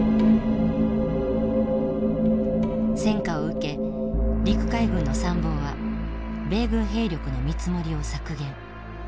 戦果を受け陸海軍の参謀は米軍兵力の見積もりを削減。